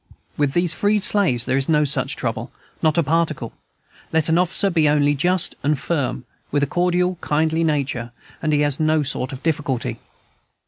With these freed slaves there is no such trouble, not a particle: let an officer be only just and firm, with a cordial, kindly nature, and he has no sort of difficulty.